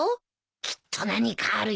きっと何かあるよ。